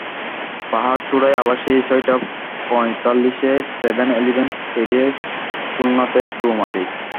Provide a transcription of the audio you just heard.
পাহাড়চূড়ায় আবার সেই ছয়টা পঁয়তাল্লিশে সেভেন ইলেভেন পেরিয়ে সোলনাতে ঢুঁ মারি।